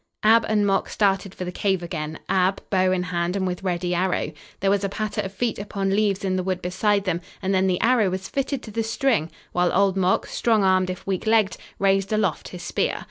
Ab and Mok started for the cave again, Ab, bow in hand and with ready arrow. There was a patter of feet upon leaves in the wood beside them and then the arrow was fitted to the string, while Old Mok, strong armed if weak legged, raised aloft his spear.